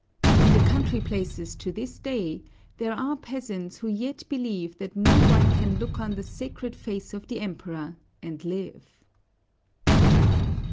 In the country places to this day, there are peasants who yet believe that no one can look on the sacred face of the Emperor and live.